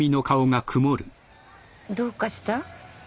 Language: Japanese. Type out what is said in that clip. どうかした？あっ。